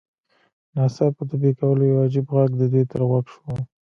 ناڅاپه د بوی کولو یو عجیب غږ د دوی تر غوږ شو